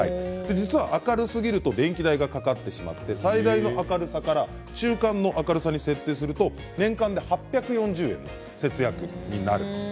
実は、明るすぎると電気代がかかってしまって最大の明るさから中間の明るさに設定すると年間で８４０円節約になります。